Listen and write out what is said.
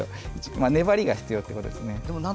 粘りが必要ということですね。